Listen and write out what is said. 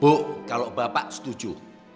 bu kalau bapak setuju